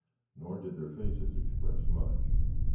Nor did their faces express much.